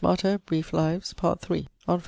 Brief Lives, part iii.' On fol.